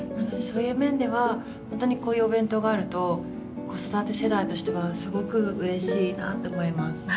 そういう面では本当にこういうお弁当があると子育て世代としてはすごくうれしいなって思います。